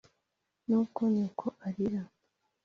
nubwo nyoko arira;